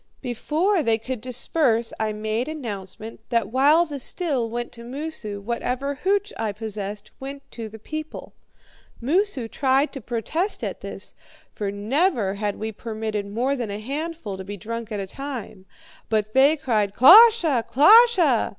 "Before they could disperse I made announcement that while the still went to Moosu, whatever hooch I possessed went to the people. Moosu tried to protest at this, for never had we permitted more than a handful to be drunk at a time; but they cried, 'KLOSHE! KLOSHE!'